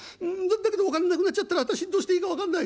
『だけどお金なくなっちゃったら私どうしていいか分かんない』。